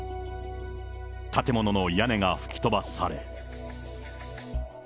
建物の屋根が吹き飛ばされ。